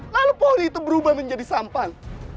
lalu pohon itu berubah menjadi sampan